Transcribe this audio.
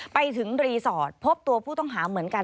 ไปถึงรีสอร์ทพบตัวผู้ต้องหาเหมือนกัน